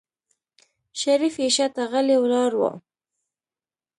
شريف يې شاته غلی ولاړ و.